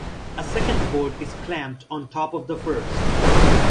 A second board is clamped on top of the first.